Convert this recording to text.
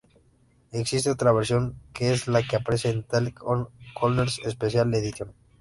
Existe otra versión, que es la que aparece en Talk On Corners Special Edition.